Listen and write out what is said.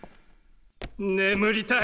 眠りたい！